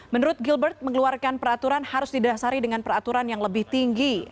menurut gilbert mengeluarkan peraturan harus didasari dengan peraturan yang lebih tinggi